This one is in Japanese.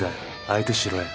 相手しろや。